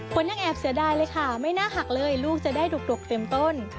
ยังแอบเสียดายเลยค่ะไม่น่าหักเลยลูกจะได้ดุกเต็มต้น